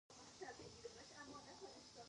د هغه میرمن کریستینا اویتیسیکا نومیږي.